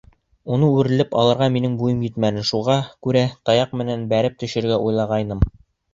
Уны үрелеп алырға минең буйым етмәне, шуға күрә таяҡ менән бәреп төшөрөргә уйлағайным.